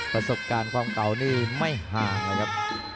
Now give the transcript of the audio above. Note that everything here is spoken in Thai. ประสบการณ์ความเก่านี่ไม่ห่างเลยครับ